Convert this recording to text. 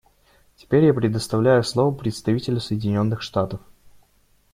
Теперь я предоставляю слово представителю Соединенных Штатов.